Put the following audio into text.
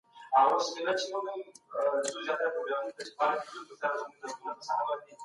اقتصادي تیوري ګانې موږ ته د پرمختګ لاري ښیي.